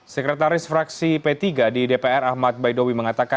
sekretaris fraksi p tiga di dpr ahmad baidowi mengatakan